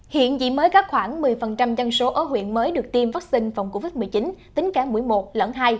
hiện chỉ mới có khoảng một mươi dân số ở huyện mới được tiêm vaccine phòng covid một mươi chín tính cả mũi một lẫn hai